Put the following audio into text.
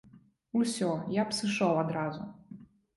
Усе, я б сышоў адразу.